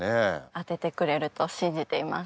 当ててくれると信じています。